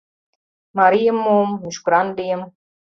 Марийым муым, мӱшкыран лийым...